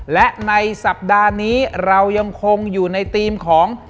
และในสัปดาห์นี้เรายังคงอยู่ในธีมของ